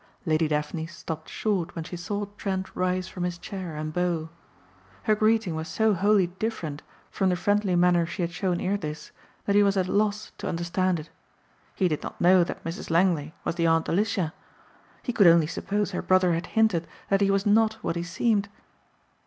Lady Daphne stopped short when she saw Trent rise from his chair and bow. Her greeting was so wholly different from the friendly manner she had shown ere this, that he was at loss to understand it. He did not know that Mrs. Langley was the Aunt Alicia. He could only suppose her brother had hinted that he was not what he seemed.